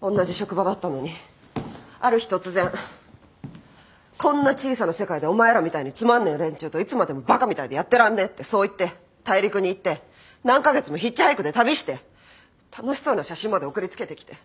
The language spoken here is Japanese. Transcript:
おんなじ職場だったのにある日突然「こんな小さな世界でお前らみたいにつまんねえ連中といつまでもバカみたいでやってらんねえ」ってそう言って大陸に行って何カ月もヒッチハイクで旅して楽しそうな写真まで送りつけてきて。